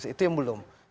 itu yang belum